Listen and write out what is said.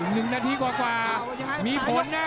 หนึ่งนาทีกว่ามีผลนะ